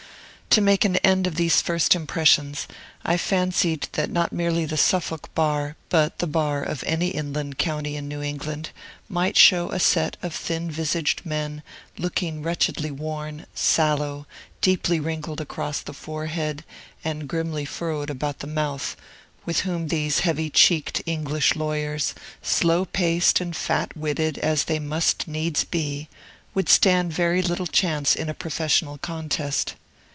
To make an end of these first impressions, I fancied that not merely the Suffolk bar, but the bar of any inland county in New England, might show a set of thin visaged men, looking wretchedly worn, sallow, deeply wrinkled across the forehead, and grimly furrowed about the mouth, with whom these heavy checked English lawyers, slow paced and fat witted as they must needs be, would stand very little chance in a professional contest.